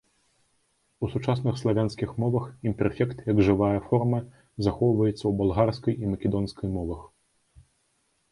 У сучасных славянскіх мовах імперфект як жывая форма захоўваецца ў балгарскай і македонскай мовах.